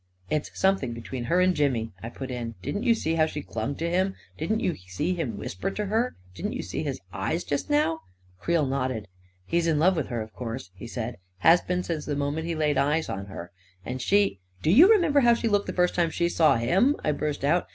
44 It's something between her and Jimmy," I put in. " Didn't you see how she clung to him ? Didn't you see him whisper to her ? Didn't you see his eyes just now?" Creel nodded. 41 He's in love with her, of course," he said; " has been since the moment he laid eyes on her; and she ..." 41 Do you remember how she looked the first time she saw him ?" I burst out.